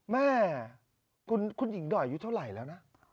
แม่คุณหญิงหน่อยอายุเท่าไหร่แล้วนะ